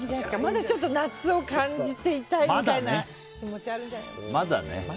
まだちょっと夏を感じていたいみたいな気持ちあるんじゃないですかね。